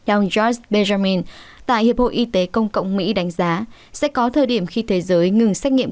ông george benjamin tại hiệp hội y tế công cộng mỹ đánh giá sẽ có thời điểm khi thế giới ngừng xét nghiệm